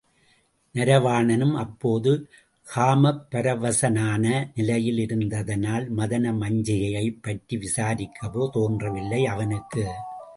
நரவாணனும் அப்போது காமப்பரவசனான நிலையில் இருந்ததனால், மதனமஞ்சிகையைப் பற்றி விசாரிக்கவே தோன்றவில்லை அவனுக்கு!